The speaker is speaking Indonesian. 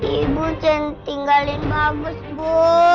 ibu cinti galin bagus bu